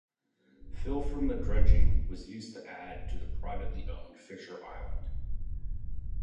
Fill from the dredging was used to add to the privately owned Fisher Island.